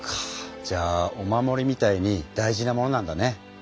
じゃあお守りみたいに大事なものなんだね。